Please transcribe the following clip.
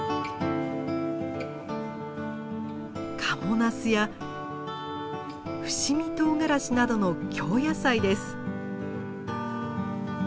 賀茂ナスや伏見とうがらしなどの京野菜です。